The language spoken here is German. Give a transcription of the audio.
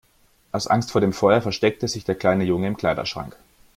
Aus Angst vor dem Feuer versteckte sich der kleine Junge im Kleiderschrank.